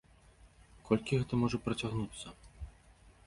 Колькі гэта можа працягнуцца?